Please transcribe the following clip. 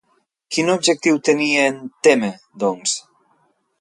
Quin objectiu tenia en Temme, doncs?